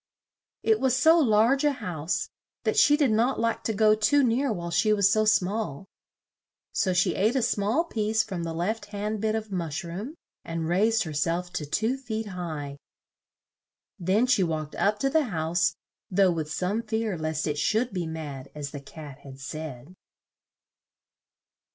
It was so large a house, that she did not like to go too near while she was so small; so she ate a small piece from the left hand bit of mush room, and raised her self to two feet high. Then she walked up to the house, though with some fear lest it should be mad as the Cat had said.